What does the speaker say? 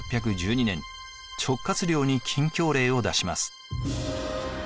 １６１２年直轄領に禁教令を出します。